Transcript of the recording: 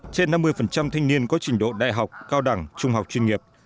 trên năm mươi thanh niên có trình độ đại học cao đẳng trung học chuyên nghiệp